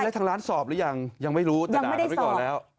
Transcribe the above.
แล้วทางร้านสอบหรือยังยังไม่รู้แต่ด่ากันไว้ก่อนแล้ว